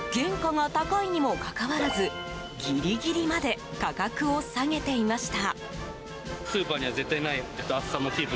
原価が高いにもかかわらずギリギリまで価格を下げていました。